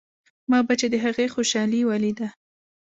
ما به چې د هغې خوشالي وليده.